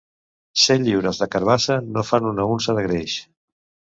Cent lliures de carabassa no fan una unça de greix.